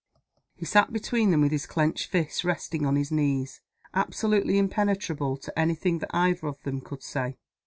He sat between them with his clenched fists resting on his knees absolutely impenetrable to any thing that either of them could say.